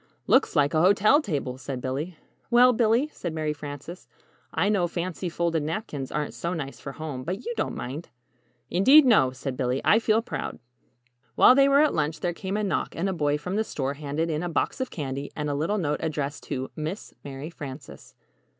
"Looks like a hotel table," said Billy. "Well, Billy," said Mary Frances, "I know fancy folded napkins aren't so nice for home but you don't mind." "Indeed, no," said Billy; "I feel proud." While they were at lunch there came a knock and a boy from the store handed in a box of candy and a little note addressed to _Miss Mary Frances.